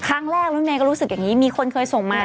ครั้งแรกรถเมย์ก็รู้สึกอย่างนี้มีคนเคยส่งมา